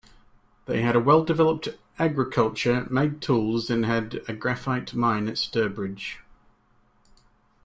They had a well-developed agriculture, made tools, and had a graphite mine at Sturbridge.